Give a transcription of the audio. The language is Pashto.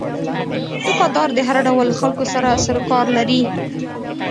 دوکاندار د هر ډول خلکو سره سروکار لري.